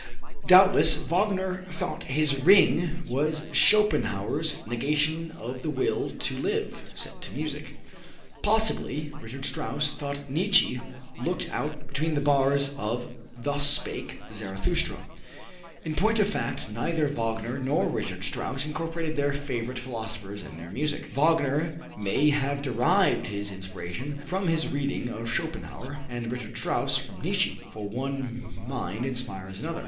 Doubtless, Wagner thought his "Ring" was Schopenhauer's "Negation of the Will to Live" set to music. Possibly, Richard Strauss thought Nietzsche looked out between the bars of "Thus Spake Zarathustra." In point of fact, neither Wagner nor Richard Strauss incorporated their favorite philosophers in their music. Wagner may have derived his inspiration from his reading of Schopenhauer, and Richard Strauss from Nietzsche, for one mind inspires another.